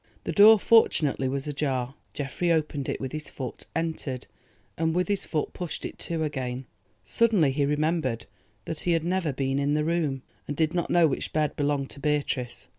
The door fortunately was ajar. Geoffrey opened it with his foot, entered, and with his foot pushed it to again. Suddenly he remembered that he had never been in the room, and did not know which bed belonged to Beatrice.